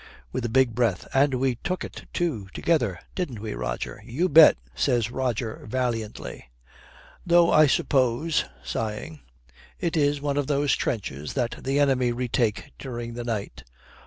With a big breath, 'And we took it too, together, didn't we, Roger?' 'You bet,' says Roger valiantly. 'Though I suppose,' sighing, 'it is one of those trenches that the enemy retake during the night.'